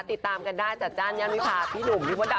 ติดตามกันได้จัดจ้านย่านวิพาพี่หนุ่มพี่มดดำ